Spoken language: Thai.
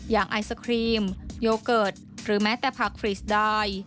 อย่างไอศครีมโยเกิร์ตหรือแม้แต่ผักฟรีสดาย